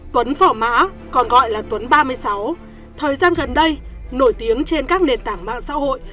tuấn phở mã còn gọi là tuấn ba mươi sáu thời gian gần đây nổi tiếng trên các nền tảng mạng xã hội